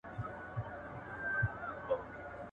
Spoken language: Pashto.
• مسکين ته د کلا د سپو سلا يوه ده.